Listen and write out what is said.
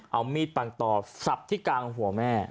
เอามีดปังต่อสับที่กลางหัวแม่